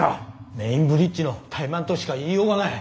メインブリッジの怠慢としか言いようがない。